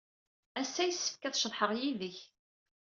Ass-a, yessefk ad ceḍḥeɣ yid-k.